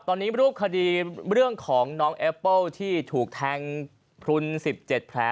ตอนนี้รูปคดีเรื่องของน้องแอปเปิ้ลที่ถูกแทงพลุน๑๗แผล